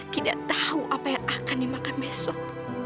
tidak tahu apa yang akan dimakan besok